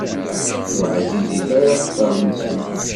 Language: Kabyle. Ur ɛzizit ara akteṛ-nsen?